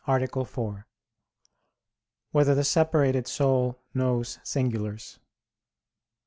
89, Art. 4] Whether the Separated Soul Knows Singulars?